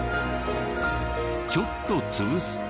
ちょっと潰すと。